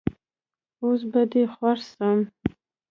اوس به دي خوښ سم